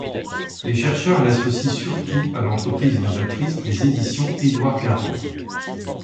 Les chercheurs l'associent surtout à l'entreprise innovatrice des Éditions Édouard Garand.